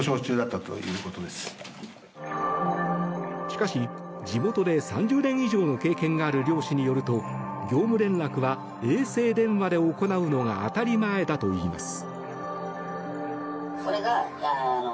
しかし、地元で３０年以上の経験がある漁師によると業務連絡は衛星電話で行うのが当たり前だといいます。